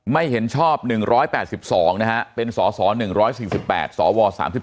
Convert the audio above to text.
ไม่เห็นชอบ๑๘๒นะฮะเป็นสส๑๔๘สว๓๒